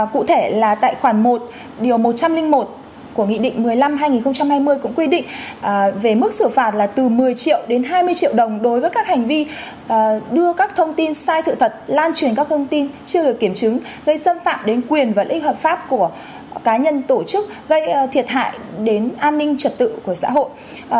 cụ thể là tại khoản một điều một trăm linh một của nghị định một mươi năm hai nghìn hai mươi cũng quy định về mức xử phạt là từ một mươi triệu đến hai mươi triệu đồng đối với các hành vi đưa các thông tin sai sự thật lan truyền các thông tin chưa được kiểm chứng gây xâm phạm đến quyền và lý hợp pháp của cá nhân tổ chức gây thiệt hại đến an ninh trật tự của xã hội